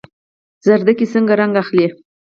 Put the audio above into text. ګازرې څنګه رنګ اخلي؟